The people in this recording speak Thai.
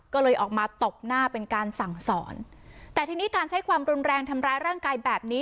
ก็เลยออกมาตบหน้าเป็นการสั่งสอนแต่ทีนี้การใช้ความรุนแรงทำร้ายร่างกายแบบนี้